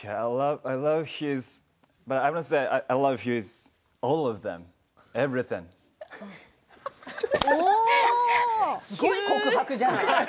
英語すごい告白じゃない？